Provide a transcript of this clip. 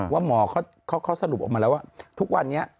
ว่าหมอเขาสรุปออกมาแล้วว่าทุกวันนี้